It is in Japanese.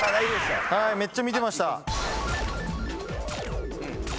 めっちゃ見てました。